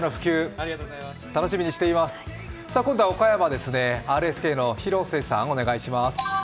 今度は岡山です、ＲＳＫの廣瀬さん、お願いします。